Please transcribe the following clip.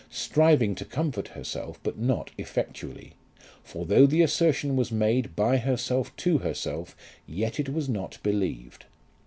Striving to comfort herself, but not effectually; for though the assertion was made by herself to herself, yet it was not believed.